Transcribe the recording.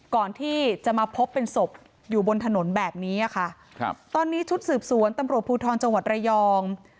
ก่อนที่จะมาพบเป็นศพอยู่บนถนนแบบนี้ค่ะครับตอนนี้ชุดสืบสวนตำรวจภูทรจังหวัดระยอง